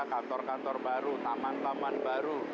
kantor kantor baru taman taman baru